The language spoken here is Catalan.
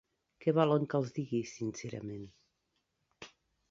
Què volen que els digui, sincerament.